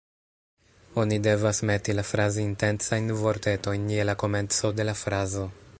Oni devas meti la "fraz-intencajn" vortetojn je la komenco de la frazo